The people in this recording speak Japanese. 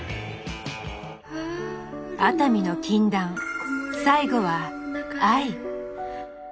熱海の禁断最後は愛。